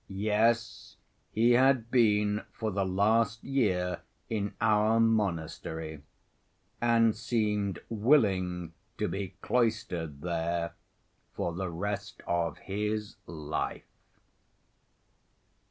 Yes, he had been for the last year in our monastery, and seemed willing to be cloistered there for the rest of his life.